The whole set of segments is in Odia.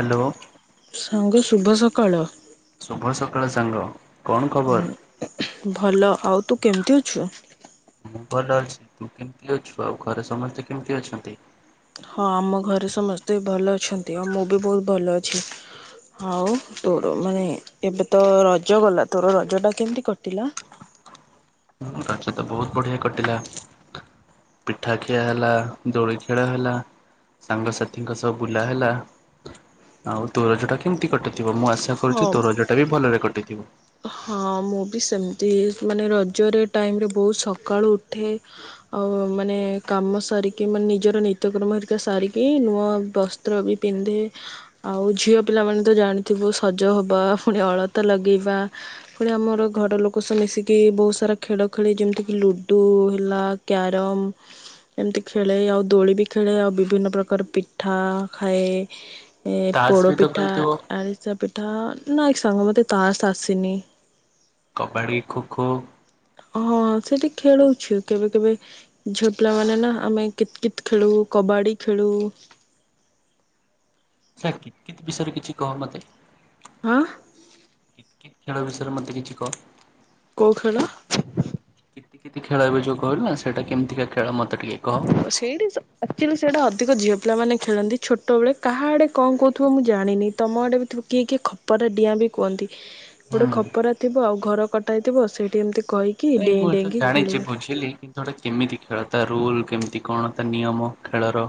ହ୍ୟାଲୋ ସାଙ୍ଗ ଶୁଭ ସକାଳ। ଶୁଭ ସକାଳ ସାଙ୍ଗ। କଣ ଖବର? ଭଲ ଆଉ ତୁ କେମିତି ଅଛୁ? ମୁଁ ଭଲ ଅଛି ତୁ କେମତି ଅଛୁ ଆଉ ଘରେ ସମସ୍ତେ କେମତି ଅଛନ୍ତି? ହଁ ଆମ ଘରେ ସମସ୍ତେ ଭଲ ଅଛନ୍ତି ଆଉ ମୁଁ ବି ବହୁତ ଭଲ ଅଛି। ହଉ ତୋର ମାନେ ଏବେ ତ ରଜ ଗଲା ତୋର ରଜ ଟା କେମିତି କଟିଲା? ରଜ ତ ବହୁତ ବଢିଆ କଟିଲା। ପିଠା ଖିଆ ହେଲା ଦୋଳି ଖେଳ ହେଲା। ସାଙ୍ଗସାଥିଙ୍କ ସହ ବୁଲା ହେଲା ଆଉ ତୋର ରଜଟା କେମିତି କଟିଲା? ମୁଁ ଆଶା କରୁଛି ହଁ ତୋ ରଜ ଟା ବି ଭଲରେ କଟିଥିବ। ହଁ ମୁଁ ବି ସେମିତି ମାନେ ରଜରେ ଟାଇମରେ ବହୁତ ସକାଳୁ ଉଠେ ଆଉ ମାନେ କାମ ସାରିକି ମାନେ ନିଜର ନିତ୍ୟକର୍ମ ହେରିକା ସାରିକି ନୂଆ ବସ୍ତ୍ର ବି ପିନ୍ଧେ ଆଉ ଝିଅ ପିଲାମାନେ ତ ଜାଣିଥିବୁ ସଜ ହବା ପୁଣି ଅଳତା ଲଗେଇବା ପୁଣି ଆମର ଘର ଲୋକ ସହ ମିଶିକି ବହୁତ ସାରା ଖେଳ ଖେଲି ଯେମିତି କିି ଲୁଡୁ ହେଲା। କ୍ୟାରମ୍ ଏମିତି ଖେଳେ ଆଉ ଦୋଳି ବି ଖେଳେ ଆଉ ବିଭିନ୍ନ ପ୍ରକାର ପିଠା ଖାଏ ଏ ତାସ୍ ପୋଡ ବି ତ ପିଠା ଖେଳୁଥିବ ଆରିସା ପିଠା ନା ସାଙ୍ଗ ମତେ ତାସ ଆସେ ନି। କବାଡ଼ି ଖୋଖୋ ହଁ ସେଠି ଖେଳୁଛୁ କେବେ କେବେ ଝିଅ ପିଲା ମାନେ ନା ଆମେ କିତକିତ ଖେଳୁ। କବାଡ଼ି ଖେଳୁ। ସ କିତକିିତ ବିଷୟରେ କିଛି କହ ମୋତେ। ଆଁ। ଖେଳ ବିଷରେ ମୋତେ କିଛି କୁହ। କୋଉ ଖେଳ? କିତକିତ ଖେଳ ଏବେ ଯଉ କହିଲ ନା ସେଟା କେମତିକା ଖେଳ ମ ସେଇଠି ଆକ୍ଚୁଲି ସେଟା ଅ ପ୍ରତ୍ୟେକ ଝିଅ ପିଲାମାନେ ଖେଳନ୍ତି ଛୋଟବେଳେ କାହାଆଡେ କଣ କହୁଥିବ ମୁଁ ଜାଣିନି ତମ ଆଡେ ବି କିଏ କିଏ ଖପର ଗଟା ଡିଆଁ ବି କୁହନ୍ତି ଗୋଟେ ହୁଁ। ଖପରା ଥିବ ଆଉ ଘର କଟାଥିବ ସେଇଠି ଏମତି ନାଇଁ ମୁଁ ଏ ତ ଜାଣିଛି ବୁଝିଲି କିନ୍ତୁଟା କେମିତି ଖେଳ ତା ରୁଲ କେମିତି? କଣ ତା ନିୟମ ଖେଳର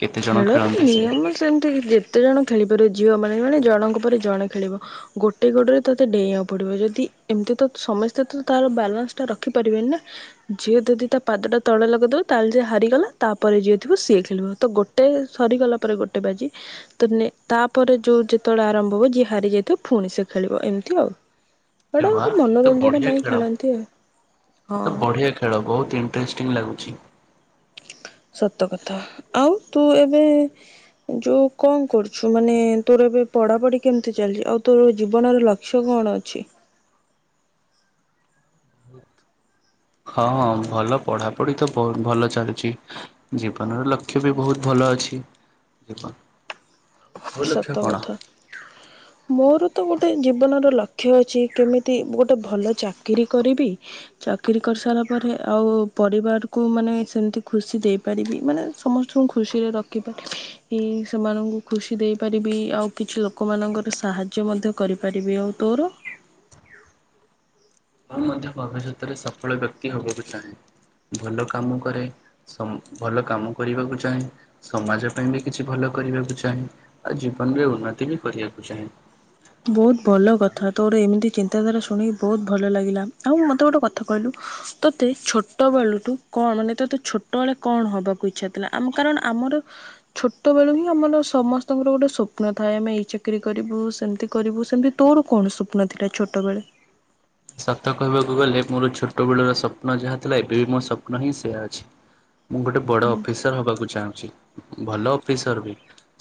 କେତେ ଜଣ ଖେଳର ଖେଳନ୍ତି ସେ ନିୟମ ସେମିତି ଯେତେ ଜଣ ଖେଳିପାରିବ ଝିଅମାନେ ମାନେ ଜଣଙ୍କ ପରେ ଜଣେ ଖେଳିବ ଗୋଟେ ଗୋଡ଼ରେ ତୋତେ ଡେଇଁବାକୁ ପଡ଼ିବ ଯଦି ଏମ ସମସ୍ତେ ତ ତାର ବାଲାନ୍ସ ଟା ରଖିପାରିବେନି ଯିଏ ଯଦି ତା ପାଦ ଟା ତଳେ ଲଗେଇଦବ ତାହେଲେ ହାରିଗଲା ତାପରେ ଯିଏ ଥିବ ସିଏ ଖେଳିବ। ତ ଗୋଟେ ସରିଗଲା ପରେ ଗୋଟେ ବାଜି ତ ନେ ତାପରେ ଯୋଉ ଯେତେବେଳେ ଆରମ୍ଭ ହବ ଯିଏ ହାରିଯାଇ ପୁଣି ସେ ଖେଳିବ ଏମିତି ଆଉ। ଏଇଟା ଏ ମା ଗୋଟେ ଏତ ମନୋରଞ୍ଜନ ବଢିଆ ପାଇଁ ଖେଳ ଖେଳନ୍ତି ଆଉ ଏତ ହଁ। ବଢିଆ ଖେଳ ବହୁତ ଇ ଇଣ୍ଟରେଷ୍ଟିଙ୍ଗ ଲାଗୁଛି। ସତ କଥା ଆଉ ତୁ ଏବେ ଯୋଉ କଣ କରୁଛୁ ମାନେ ତୋର ଏବେ ପଢାପଢି କେମିତି ଚାଲିଛି? ଆଉ ତୋର ଜୀବନର ଲକ୍ଷ୍ୟ କଣ ଅଛି? ହଁ ହଁ ଭଲ ପଢାପଢି ତ ବହୁତ ଭଲ ଚାଲଛି। ଜୀବନର ଲକ୍ଷ୍ୟ ବି ବହୁତ ଭଲ। ଅଛି। ଏପା ସତ କଥା ମୋର ତ ଗୋଟେ ଜୀବନର ଲକ୍ଷ୍ୟ ଅଛି କେମିତି ଗୋଟେ ଭଲ ଚାକିରୀ କରିବି, ଚାକିରୀ କର୍ କରସାରିଲା ପରେ ଆଉ ପରିବାରକୁ ମାନେ ସେମିତି ଖୁସି ଦେଇପାରିବି ମାନେ ସମସ୍ତଙ୍କୁ ଖୁସିରେ ରଖିପାର ଇ ସେମାନଙ୍କୁ ଖୁସି ଦେଇପାରିବି, ଆଉ କିଛି ଲୋକମାନଙ୍କର ସାହାଯ୍ୟ ମଧ୍ୟ କରିପାରିବି, ଆଉ ତୋର? ମୁଁ ମଧ୍ୟ ଭବିଷ୍ୟତରେ ସଫଳ ବ୍ୟକ୍ତି ହବାକୁ ଚାହେଁ। ଭଲ କାମ କରେ, ସ-ଭଲ କାମ କରିବାକୁ ଚାହେଁ, ସମାଜ ପାଇଁ ବି କିଛି ଭଲ କରିବାକୁ ଚାହେଁ ଆଉ ଜୀବନରେ ଉନ୍ନତି ବି କରିବାକୁ ଚାହେଁ। ବହୁତ ଭଲ ଆଉ କଥା ତୋ ଗୋଟେ ଏମିତି ଚିନ୍ତାଧାରା ଶୁଣିିକ ବହୁତ ଭଲ ଲାଗିଲା ଆଉ ମୋତେ ଗୋଟେ କଥା କହିଲୁ ତୋତେ ଛୋଟବେଳୁଠୁ କଣ ମାନେ ତୋତେ ତ ଛୋଟବେଳେ କଣ ହବାକୁ ଇଛା ଥିଲା ଆମ-କାରଣ ଆମର ଛୋଟ ବେଳୁ ହିଁ ଆମର ସମସ୍ତଙ୍କର ଗୋଟେ ସ୍ୱପ୍ନ ଥାଏ ଆମେ ଏଇ ଚାକିରି କରିବୁ ସେମିତି କରିବୁ ସେମତି ତୋର କଣ ସ୍ୱପ୍ନ ଥିଲା ଛୋଟବେଳେ? ସତ କହିବାକୁ ଗଲେ ମୋର ଛୋଟବେଳର ସ୍ୱପ୍ନ ଯାହା ଥିଲା ଏବେ ବି ମୋ ସ୍ୱପ୍ନ ହିଁ ସେୟା ଅଛି। ମୁଁ ଗୋଟେ ବଡ ଅଫିସର ହବାକୁ ଚାହୁଁଛି ଭଲ ଅଫିସର ବି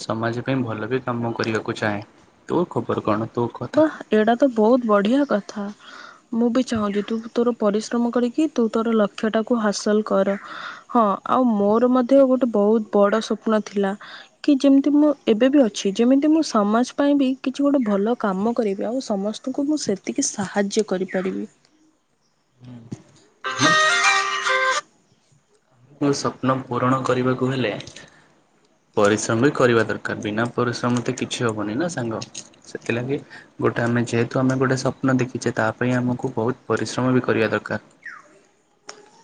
ସମାଜ ପାଇଁ ଭଲ ବି କାମ କରିବାକୁ ଚାହେଁ ତୋ ଖବର କଣ? ତୋ କଥା ବା ଏଇଟା ତ ବହୁତ ବଢିଆ କଥା। ହ ମୁଁ ବି ଚାହୁଁଚି ତୁ ତୋର ପରିଶ୍ରମ କରିକି ତୁ ତୋର ଲକ୍ଷ୍ୟଟାକୁ ହାସଲ କର ହଁ। ଆଉ ମୋର ମଧ୍ୟ ଗୋଟେ ବହୁତ ବଡ଼ ସ୍ୱପ୍ନ ଥିଲା କି ଯେମିତି ମୁଁ ଏବେ ବି ଅଛି ଯେମିତି ମୁଁ ସମାଜ ପାଇଁ ବି କିଛି ଗୋଟେ ଭଲ କାମ କରିବି ଆଉ ସମସ୍ତଙ୍କୁ ମୁଁ ସେତିକି ସାହାଯ୍ୟ କରିପାରିବି। ହଁ ଆମର ମ ସ୍ୱପ୍ନ ପୂରଣ କରିବାକୁ ହେଲେ ପରିଶ୍ରମ ବି କରିବା ଦରକାର ବିନା ପରିଶ୍ରମ ତ କିଛି ହବନି ନା ସାଙ୍ଗ ସେଥିଲାଗି ଗୋଟେ ଆମେ ଯେହେତୁ ଆମେ ଗୋଟେ ସ୍ୱପ୍ନ ଦେଖିଛେ ତା ପାଇଁ ଆମକୁ ବହୁତ ପରିଶ୍ରମ ବି କରିବା ଦରକାର।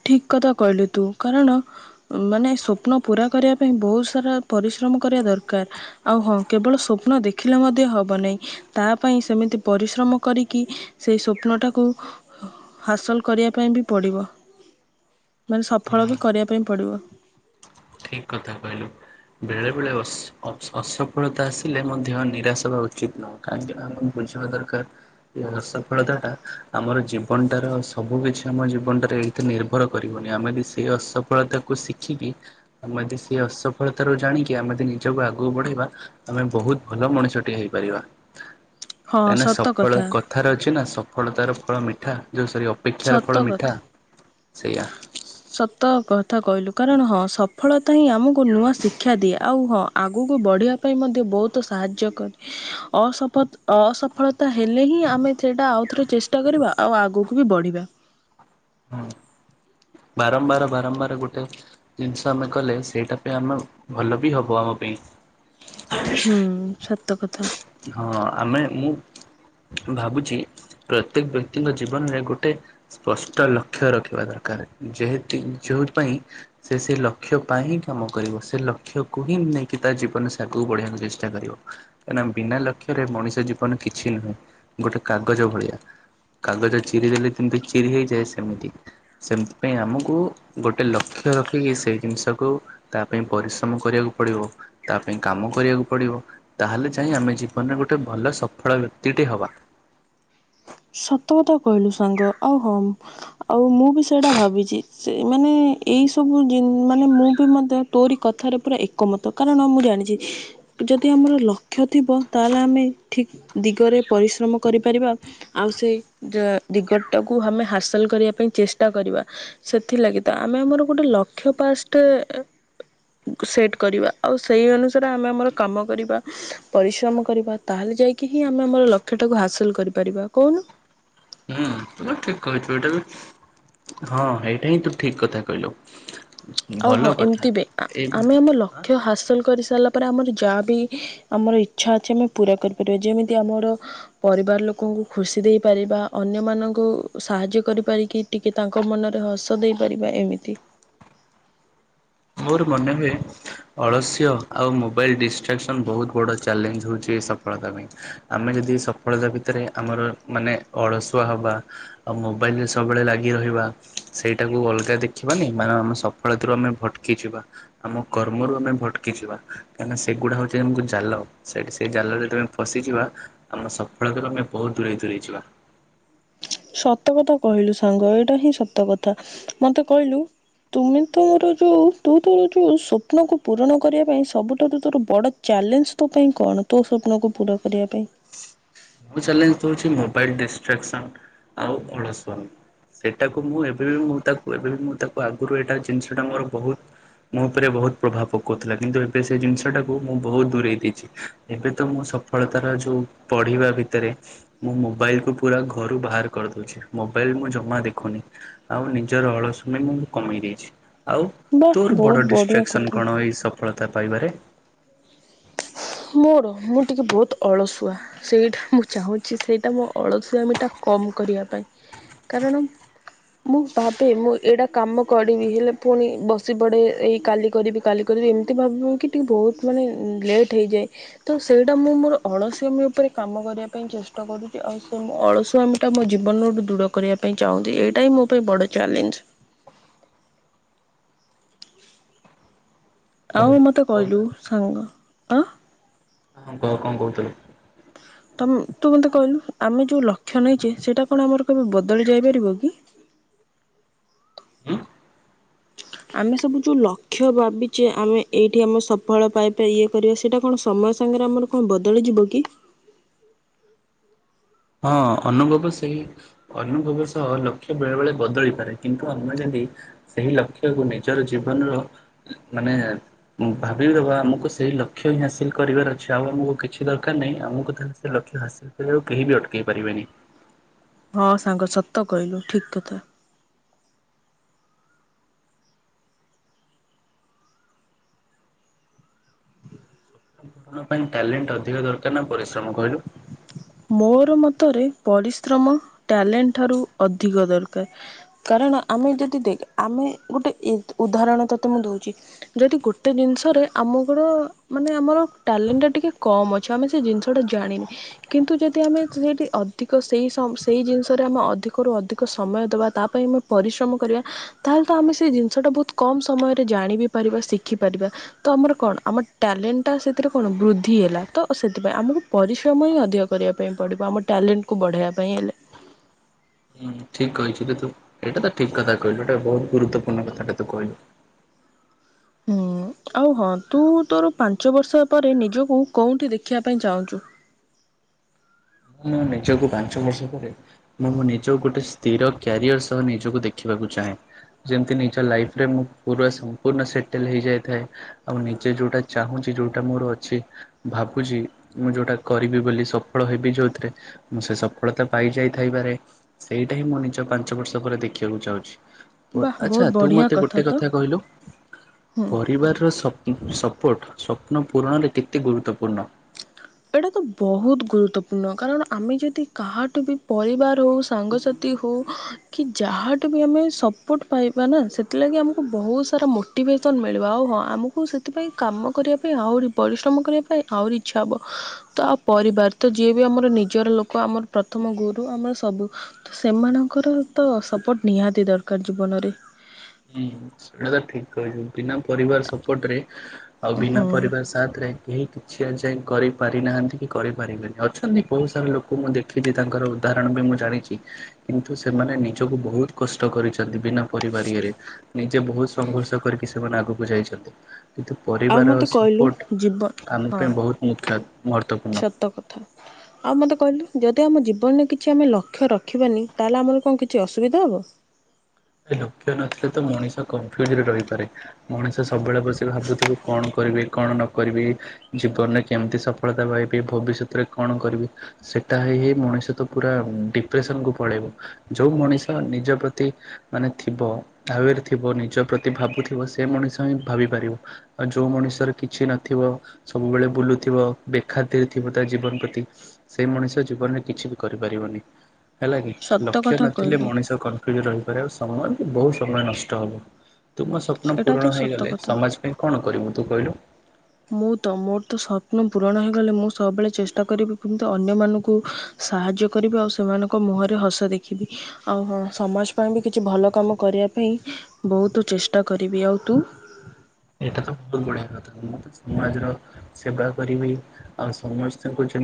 ଠିକ କଥା କହିଲୁ ତୁ କାରଣ ମାନେ ସ୍ୱପ୍ନ ପୁରା କରିବା ପାଇଁ ବହୁତ ସାରା ପରିଶ୍ରମ ମ କରିବା ଦରକାର ଆଉ ହଁ କେବଳ ସ୍ୱପ୍ନ ଦେଖିଲେ ମଧ୍ୟ ହବ ନାହିଁ ତା ପାଇଁ ସେମିତି ପରି ପରିଶ୍ରମ କରିକି ସେହି ସ୍ୱପ୍ନଟାକୁ ହାସଲ କରିବା ପାଇଁ ବି ପଡ଼ିବ। ମାନେ ସଫଳ ବି କରିବା ପାଇଁ ପଡିବ। ଠିକ୍ କଥା କହିଲୁ। ବେଳେ ବେଳେ ଅସ୍-ଅସ୍-ଅସଫଳତା ଆସିଲେ ମଧ୍ୟ ନିରାଶ ହବା ଉଚିତ ନୁଅ କାହିଁକିନା ଆମକୁ ସ ଦରକାର। ଏ ସଫଳତା ଟା ଆମର ଜୀବନଟାର ସବୁ କିଛି ଆମ ଜୀବନଟାରେ ଏଇଥିରେ ନିର୍ଭର କରିବ। ଆମେ ଯଦି ସେଇ ଅସଫଳତାକୁ ଶିଖି ବି ଆମେ ସେଇ ଅସ ସଫଳତାରୁ ଜାଣିକି ଆମେ ଯଦି ନିଜକୁ ଆଗକୁ ବଢେଇବା ଆମେ ବହୁତ ଭଲ ମଣିଷଟିଏ ହେଇପାରିବା। ହଁ କାହିଁକିନା ସତ ସଫଳ କଥା କଥାର ଅଛି ନା ସଫଳତାର ଫଳ ମିଠା। ଯେଉଁ ସରି ଅପେକ୍ଷାର ଫଳ ସତ ମିଠା କଥା ସେଇୟା। ସତ କଥା କହିଲୁ କାରଣ ହଁ ସଫଳତା ହିଁ ଆମକୁ ନୂଆ ଶିକ୍ଷା ଦିଏ ଆଉ ହଁ ଆଗକୁ ବଢ଼ିବା ପାଇଁ ମଧ୍ୟ ବୋହୁତ ସାହାଯ୍ୟ କରେ ଅସପଥ-ଅସଫଳତା ହେଲେ ହିଁ ଆମେ ସେଇଟା ଆଉଥରେ ଚେଷ୍ ଚଷ୍ଟା କରିବା ଆଉ ଆଗକୁ ବି ବଢିବା। ହୁଁ। ବାରମ୍ବାର ବାରମ୍ବାର ଗୋଟେ ଜିନିଷ ଆମେ କଲେ ସେଇଟା ପାଇଁ ଆମେ ଭଲ ବି ହବ ଆମ ପାଇଁ। ହୁଁ ସତ କଥା। ହଁ ଆମେ ମୁଁ ଭାବୁଛି ପ୍ରତ୍ୟେକ ବ୍ୟକ୍ତିଙ୍କ ଜୀବନରେ ଗୋଟେ ସ୍ପଷ୍ଟ ଲକ୍ଷ୍ୟ ରଖିବା ଦରକାର। ଜ [inaudible] ଯୋଉ ପାଇଁ ସେ ସେ ଲକ୍ଷ ପାଇଁ ହିଁ କାମ କରିବ ସେ ଲକ୍ଷ୍ୟକୁ ହିଁ ନେଇକି ତା ଜୀବନରେ ସେ ଆଗକୁ ବଢିବାକୁ ଚେଷ୍ଟା କରିବ କାହିଁକି ବିନା ଲକ୍ଷ୍ୟରେ ମଣିଷ ଜୀବନ କିଛି ନୁହେଁ। ଗୋଟେ କାଗଜ ଭଳିଆ। କାଗଜ ଚିରି ଦେଲେ ଯେମତି ଚିରି ହେଇଯାଏ। ସେମିତି ସେମତି ପାଇଁ ଆମକୁ ଗୋଟେ ଲକ୍ଷ ଲକ୍ଷ୍ୟ ରଖିକି ସେଇ ଜିନିଷକୁ ତା ପାଇଁ ପରିଶ୍ରମ କରିବାକୁ ପଡ଼ିବ। ତା ପାଇଁ କାମ କରିବାକୁ ପଡ଼ିବ। ତାହେଲେ ଯାଇଁ ଆମେ ଜୀବନରେ ଗୋଟେ ଭଲ ସଫଳ ବ୍ୟକ୍ତିଟି ହବା। ସତ କଥା କହିଲୁ ସାଙ୍ଗ ଆଉ ହଁ ଆଉ ମୁଁ ବି ସେଇଟା ଭାବିଛି। ସେ ମାନେ ଏଇ ସବୁ ଜିନ ମାନେ ମୁଁ ବି ମଧ୍ୟ ତୋରି କଥାରେ ପୁରା ଏକମତ। କାରଣ ମୁଁ ଜାଣିଚି। ଯଦି ଆମର ଲକ୍ଷ୍ୟ ଥିବ ତାହେଲେ ଆମେ ଠିକ ଦିଗରେ ପରିଶ୍ରମ କରିପାରିବା। ଆଉ ସେଇ ଦିଗଟଟାକୁ ଆମେ ହାସଲ କରିବା ପାଇଁ ଚେଷ୍ଟା କରିବା। ସେଥିଲାଗି ତ ଆମେ ଇଁ ମୋର ଗୋଟେ ଲକ୍ଷ ପାଷ୍ଟେ ସେଟ କରିବା ଆଉ ସେଇ ଅନୁସାରେ ଆମେ ଆମର କାମ କରିବା ପରିଶ୍ରମ କରିବା। ତାହେଲେ ଯାଇକି ହିଁ ଆମେ ଆମର ଲକ୍ଷ୍ୟ ଟାକୁ ହାସଲ କରିପାରିବା କଉନୁ। ହୁଁ ତ ଠିକ କହିଚୁ। ଏଇଟା ବି ହଁ ହେଇଟା ହିଁ ତୁ ଠିକ କଥା କହିଲୁ। ଆଉ ଭଲ ହଁ କଥା ଏମିତି ବି ଏ ଆମେ ଆମ ଆଁ ଲକ୍ଷ୍ୟ ହାସଲ କରିସ ସାରିଲା ପରେ ଆମର ଯାହାବି ଆମାର ଇଛା ଅଛି। ଆମେ ପୁରା କରିପାରିବା। ଯେମିତି ଆମର ପରିବାର ଲୋ ଲୋକଙ୍କୁ ଖୁସି ଦେଇପାରିବା। ଅନ୍ୟମାନଙ୍କୁ ସାହାଯ୍ୟ କରିପାରିକି ଟିକେ ତାଙ୍କ ମନରେ ହସ ଦେଇ ପାରିବା ଏମିତି। [unintelligible] ମୋର ମନେ ହୁଏ ଅଳସ୍ୟ ଆଉ ମୁଁ ମୋବାଇଲ ଡିଷ୍ଟ୍ରାକ୍ସନ୍ ବହୁତ ବଡ଼ ଚ୍ୟାଲେଞ୍ଜ ହେଉଛି। ଏ ସଫଳତା ପାଇଁ ଆମେ ଯଦି ସଫଳତା ଭିତରେ ଆମର ର ମାନେ ଅଳସୁଆ ହବା ଆଉ ମୋବାଇଲରେ ସବୁବେଳେ ଲାଗି ରହିବା। ସେଇଟାକୁ ଅଲଗା ଦେଖିବାନି ମା ଆମେ ସଫଳ ରୁ ଆମେ ଭ କି ଯିବା ଆମ କର୍ମରୁ ଆମେ ଭଟକିଯିବା। କାହିଁକି ନା ସେଗୁଡା ହଉଛି ଆମକୁ ଜାଲ ସେଠି ସେ ଜା ଲରେ ଯେତେବେଳେ ଫସିଯିବା ଆମ ସଫଳତାରୁ ଆମେ ବହୁତ ଦୂରେଇ ଦୂରେଇ ଯିବା। ସତ କଥା କହିଲୁ ସାଙ୍ଗ ଏଇଟା ହିଁ ସତ କଥା ମତେ କହିଲୁ? ତୁମେ ତ ମୋର ଯୋଉ ତୁ ତୋର ଯୋଉ ସ୍ୱପ୍ନ କୁ ପୂରଣ କରିବା ପାଇଁ ସବୁଠାରୁ ତୋର ବଡ ଚା ଚାଲେଞ୍ଜ ତୋ ପାଇଁ କଣ ତୋ ସ୍ୱପ୍ନକୁ ପୁରା କରିବା ପାଇଁ। ମୋ ଚଲେଞ୍ଜ ତ ହଉଛି ମୋବାଇଲ ଡିଷ୍ଟ୍ରାକ୍ସନ ଆଉ ଅଳସୁଆମି। ସେଇଟାକୁ ମୁଁ ଏବେ ବି ମୁଁ ତାକୁ ଏବେ ବି ମୁଁ ତାକୁ ଆଗରୁ ଏଇଟା ଜିନିଷଟା ମୋର ବହୁତ ମୋ ଉପରେ ବହୁତ ପ୍ରଭାବ ପକଉଥିଲା। କିନ୍ତୁ ଏବେ ସେ ଜିନିଷ ଟାକୁ ମୁଁ ବହୁତ ଦୂରେଇ ଦେଇଚି। ଏବେ ତ ମୁଁ ସଫଳତାର ଯୋଉ ପଢିବା। ତରେ ମୁଁ ମୋବାଇଲ କୁ ପୁରା ଘରୁ ବାହାର କରିଦଉଚି। ମୋବାଇଲ ମୁଁ ଜମା ଦେଖୁନି। ଆ ଆଉ ନିଜର ଅଳସମୟ ମୁଁ କମେଇ ଦେଇଛି। ଆଉ ବାଃ ତୋର ବଡ ବହୁତ ବଢ଼ିଆ ଡିଷ୍ଟ୍ରାକ୍ସନ କଥା। କଣ ଏଇ ସଫଳ ତା ପାଇବାରେ ମୋର ମୁଁ ଟିକେ ବହୁତ ଅଳସୁଆ ସେଇଟା ମୁଁ ଚାହୁଁଚି। ସେଇଟା ମୋ ଅଳସୁଆ ମିଟା କମ କରିବା ପାଇଁ କାରଣ ମୁଁ ଭାବେ ମୁଁ ଏଇଟା କାମ କରିବି। ହେଲେ ପୁଣି ବସି ପଡେ ଏଇ କାଲି କରିବି କାଲି କରି ରି ଏମିତି ଭାବିବୁ କି ଟିକେ ବହୁତ ମାନେ ଲେଟ୍ ହେଇଯାଏ ତ ସେଇଟା ମୁଁ ମୋର ଅଳସୁଆମି ଉପରେ କାମ କରିବା ପାଇଁ ଚେଷ୍ଟା କରୁଚି। ଆଉ ସେ ମୋ ଅଳସୁଆମୀ ଟା ମୋ ଜୀବନୁ ଦୂର କରିବା ପାଇଁ ଚାହୁଁଛି। ଏଇଟା ହିଁ ମୋ ପାଇଁ ବଡ ଚ୍ୟାଲେଞ୍ଜ। ହଉ ଆଉ ମତେ ହଉ କହିଲୁ ତାହେଲେ ସାଙ୍ଗ ଅଁ ହଁ କହ କଣ କହୁଥିଲୁ। ତମ ତୁ ମତେ କହିଲୁ ଆମେ ଯୋଉ ଲକ୍ଷ୍ୟ ନେଇଚେ। ସେଇଟା କଣ ଆମର କେବେ ବଦଳି ଯାଇପାରିବ କି? ଉଁ। ଆମେ ସବୁ ଯୋଉ ଲକ୍ଷ୍ୟ ଭାବିଚେ। ଆମେ ଏଇଠି ଆମେ ସଫଳ ପାଇବା ଇଏ କରିବା ସେଇଟା କଣ ସମୟ ସାଙ୍ଗରେ ଆମର କଣ ବଦଳି ଯିବ କି? ହଁ ଅନୁଭବ ସେଇ ଅନୁଭବ ସହ ଲକ୍ଷ୍ୟ ବେଳେ ବଳେ ବଦଳି ପାରେ। କିନ୍ତୁ ଆମେ ଯେମି ସେହି ଲକ୍ଷ୍ୟକୁ ନିଜର ଜୀବନର ମାନେ ଭାବିନେବା ଆମକୁ ସେଇ ଲକ୍ଷ୍ୟ ହିଁ ହାସିଲ କରିବାର ଅଛି ଆଉ ଆମକୁ କିଛି ଦରକାର ନାହିଁ ଆମକୁ ତାହେଲେ ସେ ଲକ୍ଷ୍ୟ ହାସିଲ କରିବାକୁ କେହି ବି ଅଟ୍ ଇପାରିବେନି। ହଁ ସାଙ୍ଗ ସତ କହିଲୁ ଠିକ କଥା। ପାଇଁ ଟ୍ୟାଲେଣ୍ଟ ଅଧିକ ଦରକାର ନା ପରିଶ୍ରମ କହିଲୁ? ମୋର ମତରେ ପରିଶ୍ରମ ଟ୍ୟାଲେଣ୍ଟ ଠାରୁ ଅଧିକ ଦରକାର୍ କାର କାରଣ ଆମେ ଯଦି ଦେଖ ଆମେ ଗୋଟେ ଉଦାହରଣ ତତେ ମୁଁ ଦଉଛି, ଯଦି ଗୋଟେ ଜିନିଷର ଆମ ଗର ମାନେ ଆମର ଟ୍ୟାଲେଣ୍ଟ ଟା ଟିକେ କମ ଅଛି, ଆମେ ସେ ଜିନିଷ ଟା ଜାଣିନେ କିନ୍ତୁ ଯଦି ଆମେ ସେଠି ଅଧିକ ସେ ସେଇ ଜିନିଷରେ ଆମେ ଅଧିକରୁ ଅଧିକ ସମୟ ଦେବା ତା ପାଇଁ ଆମେ ପରିଶ୍ରମ କରିବା ତା ହେଲେ ତ ଆମେ ସେ ଜିନିଷଟା ବହୁତ କମ୍ ସମୟରେ ଜାଣିିବି ପାରିବା ଶିଖିପାରିବା। ତ ଆମର କଣ ଆମ ଟ୍ୟାଲେଣ୍ଟ ଟା ସେଥିରେ କଣ ବୃଦ୍ଧି ହେଲା ତ ସେଥିପାଇଁ ଆମକୁ ପରିଶ୍ରମ ହିଁ ଅ ଅଧିକ କରିବା ପାଇଁ ପଡିବ ଆମ ଟାଲେଣ୍ଟକୁ ବଢ଼େଇବା ପାଇଁ ହେଲେ। ହୁଁ ଠିକ କହିଛୁ ଯେ ତୁ, ଏଇଟା ତ ଠିକ କଥା କହିଲୁ, ଏଟା ବହୁତ ଗୁରୁତ୍ୱପୂର୍ଣ୍ଣ କଥାଟା ତୁ କହିଲୁ। ହୁଁ ଆଉ ହଁ ତୁ ତୋର ପାଞ୍ଚ ବର୍ଷ ପରେ ନିଜକୁ କୋଉଠି ଦେଖିବା ପାଇଁ ଚାହୁଁଛୁ? ମୁଁ ନିଜକୁ ପାଞ୍ଚ ବର୍ଷ ପରେ ମୁଁଁ ନିଜ ଗୋଟେ ସ୍ଥିର କ୍ୟାରିଅର ସହ ନିଜକୁ ଦେଖିବାକୁ ଚାହେଁ। ଯେମତି ନିଜ ଲାଇଫରେ ମୁଁ ପୁରା ସମ୍ପୂର୍ଣ୍ଣ ସେଟଲ ହେଇଯାଇଥାଏ, ଆଉ ନିଜେ ଯୋଉଟା ଚାହୁଁଛି ଯୋଉଟା ମୋର ଅଛି ଭାବୁଛି ମୁଁ ଯୋଉଟା କରିବି ବୋଲି ସଫଳ ହେବି ଯୋଉଥିରେ ମୁଁ ସେ ସଫଳତା ପାଇଯାଇ ଥାଇପାରେ ସେଇଟା ହିଁ ମୁଁ ନିଜ ପାଞ୍ଚ ବର୍ଷ ପରେ ଦେଖିବାକୁ ଚାହୁଁଛି। ପୁ ବାଃ ଆଚ୍ଛା ବହୁତ ତୁ ବଢ଼ିଆ ମତେ ଗୋଟେ ତ କଥା କହିଲୁ, ହୁଁ। ପରିବାରର ସ ସପୋର୍ଟ ସ୍ୱପ୍ନ ପୂରଣରେ କେତେ ଗୁରୁତ୍ୱପୂର୍ଣ୍ଣ? ଏଇଟା ତ ବହୁତ ଗୁରୁତ୍ୱପୂର୍ଣ୍ଣ କାରଣ ଆମେ ଯଦି କାହାଠୁ ବି ପରିବାର ହଉ ସାଙ୍ଗସାଥି ହଉ କି ଯାହାଠୁ ବି ଆମେ ସପୋର୍ଟ ପାଇବା ନା ସେଥିଲାଗି ଆମକୁ ବହୁତ ସାରା ମୋଟିଭ ଭେଶନ ମିଳିବ, ଆଉ ହଁ ଆମକୁ ସେଥିପାଇଁ କାମ କରିବା ପାଇଁ ଆହୁରି ପରିଶ୍ରମ କରିବା ପାଇଁ ଆହୁରି ଇଚ୍ଛା ହବ। ତ ଆଉ ପରିବାର ତ ଯିଏ ବି ଆମର ନିଜର ଲୋକ ଆମର ପ୍ରଥମ ଗୁରୁ ଆମର ସବୁ ତ ସେମାନଙ୍କ ତାଙ୍କର ତ ସପୋର୍ଟ ନିହାତି ଦରକାର ଜୀବନରେ। ହୁଁ। ସେଇଟା ତ ଠିକ କହିଛୁ, ବିନା ପରିବାର ସପୋର୍ଟ ରେ ଆଉ ବିନା ହଁ ପରିବାର ସାଥ ରେ କେହି କିଛି ଆ ଯାଇ କରିପାରି ନାହାନ୍ତି କି କରିପାରିବେନି, ଅଛନ୍ତି ବହୁତ ସାରା ଲୋକ ମୁଁ ଦେଖିଛି ତାଙ୍କର ଉଦାହରଣ ବି ମୁଁ ଜାଣିଛି କିନ୍ତୁ ସେମାନେ ନିଜକୁ ବହୁତ କଷ୍ଟ କରିଛନ୍ତି ବିନା ପରିବାର ଇଏରେ ନିଜେ ବହୁତ ସଂଘର୍ଷ କରିକି ସେମାନେ ଆଗକୁ ଯାଇଛନ୍ତି। କିନ୍ତୁ ଆଉ ପରିବାର ମୋତେ କହିଲୁ ସପୋର୍ଟ ଜୀବ ଆମ ହଁ ପାଇଁ ବହୁତ ମୁଖ୍ୟ ମହତ୍ଵପୂର୍ଣ୍ଣ। ସତ କଥା। ଆଉ ମତେ କହିଲୁ ଯ ଯଦି ଆମ ଜୀବନରେ କିଛି ଆମେ ଲକ୍ଷ୍ୟ ରଖିବାନି ତାହେଲେ ଆମର କଣ କିଛି ଅସୁବିଧା ହବ? ଲକ୍ଷ ନଥିଲେ ତ ମଣିଷ କନ୍ଫିଉଯ ରେ ରହିପାରେ, ମଣିଷ ସବୁବେଳେ ବସି ଭାବୁଥିବ କଣ କରିବି କଣ ନ କରିବି ଜୀବନରେ କେମିତି ସଫଳତା ପାଇବି ଭବିସତ ରେ କଣ କରିବି, ସେ ତା ହେଇ ହେଇ ମଣିଷ ତ ପୁରା ଡିପ୍ରେସନ କୁ ପଳେଇବ, ଯୋଉ ମଣିଷ ନିଜ ପ୍ରତି ମାନେ ଥିବ ତାର ଥିବ ନିଜ ପ୍ରତି ଭାବୁଥିବ ସେ ମଣିଷ ହିଁ ଭାବି ପାରିବ, ଆଉ ଯୋଉ ମଣିଷ ମଣିଷର କିଛି ନଥିବ, ସବୁବେଳେ ବୁଲୁଥିବ, ବେଖାତିର୍ ଥିବ ତା ଜୀବନ ପ୍ରତି ସେ ମଣିଷ- ମଣିଷ ଜୀବନରେ କିଛି ବି କରିପାରିବନି। ହେଲା କି ସତ ଲକ୍ଷ୍ୟ କଥା ନଥିଲେ କହିଲୁ ମଣିଷ କନଫ୍ୟୁଜ ରହିପାରେ ସମୟ ବହୁତ ସମୟ ନଷ୍ଟ ହବ। ତୁମ ସ୍ୱପ୍ନ ଏଇଟା ତ ପୁରଣ ସତ ହେଇଗଲେ କଥା। ସମାଜ ପାଇଁ କଣ କରିବୁ ତୁ କହିଲୁ? ମୁଁ ତ, ମୋର ତ ସ୍ୱପ୍ନ ପୂରଣ ହେଇଗଲେ ମୁଁ ସବୁବେଳେ ଚେଷ୍ଟା କରିବି କେମତି ଅନ୍ୟ ମାନଙ୍କୁ ସାହାଯ୍ୟ କରିବି ଆଉ ସେମାନଙ୍କ ମୁହଁରେ ହସ ଦେଖିବି, ଆଉ ହଁ ସମାଜ ପାଇଁ ବି କିଛି ଭଲ କାମ କରି କରିବା ପାଇଁ ବହୁତ ଚେଷ୍ଟା କରିବି, ଆଉ ତୁ? ଏଇଟା ତ ବହୁତ ବଢିଆ କଥା, ମୁଁ ବି ସମାଜର ସେବା କରିବି ଆଉ ସମସ୍ତଙ୍କୁ ଯେମ